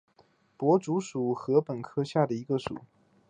薄竹属是禾本科下的一个属。